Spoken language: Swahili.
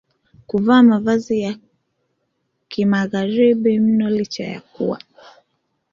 kuvaa mavazi ya kimagharibi mno licha ya kuwa